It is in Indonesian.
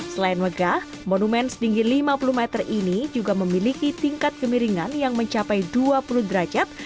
selain megah monumen setinggi lima puluh meter ini juga memiliki tingkat kemiringan yang mencapai dua puluh derajat